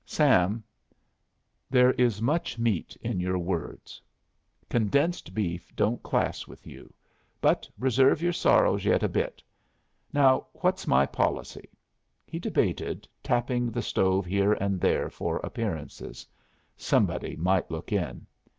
"Sam, there is much meat in your words. Condensed beef don't class with you. But reserve your sorrows yet a while. Now what's my policy?" he debated, tapping the stove here and there for appearances; somebody might look in.